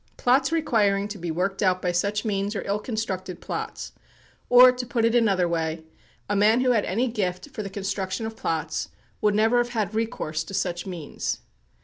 Plots requiring to be worked out by such means are ill constructed plots; or, to put it in another way, a man who had any gift for the construction of plots would never have had recourse to such means.